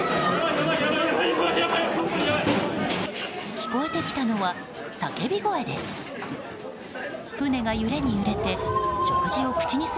聞こえてきたのは叫び声です。